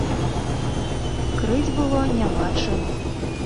Крыць было няма чым.